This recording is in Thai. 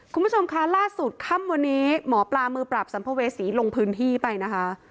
คุณผู้ชมคะล่าสุดค่ำวันนี้หมอปลามือปราบสัมภเวษีลงพื้นที่ไปนะคะ